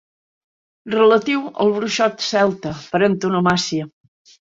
Relatiu al bruixot celta per antonomàsia.